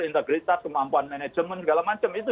integritas kemampuan manajemen segala macam itu